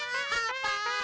tidak ada yang bisa diberikan